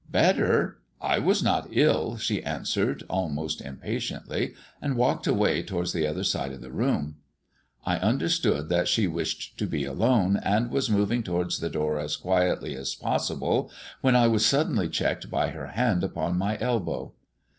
"Better! I was not ill," she answered, almost impatiently, and walked away towards the other side of the room. I understood that she wished to be alone, and was moving towards the door as quietly as possible when I was suddenly checked by her hand upon my elbow.